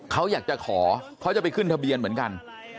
เขาอยากจะขอเขาจะไปขึ้นทะเบียนเหมือนกัน